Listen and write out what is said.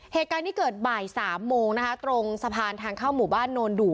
เหตุการณ์นี้เกิดบ่ายสามโมงนะคะตรงสะพานทางเข้าหมู่บ้านโนนดู่